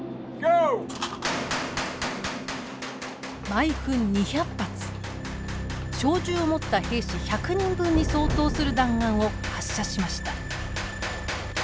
毎分２００発小銃を持った兵士１００人分に相当する弾丸を発射しました。